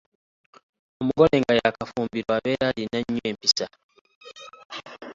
Omugole nga yaakafumbirwa abeera alina nnyo empisa.